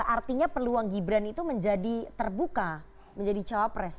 artinya peluang gibran itu menjadi terbuka menjadi cawapres